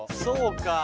そうか。